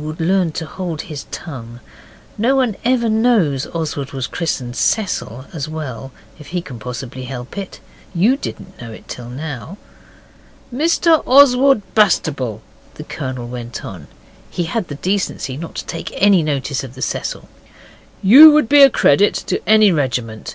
would learn to hold his tongue. No one ever knows Oswald was christened Cecil as well, if he can possibly help it. YOU didn't know it till now. 'Mr Oswald Bastable,' the Colonel went on he had the decency not to take any notice of the 'Cecil' 'you would be a credit to any regiment.